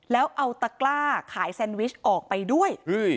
แล้วเอาตะกล้าขายแซนวิชออกไปด้วย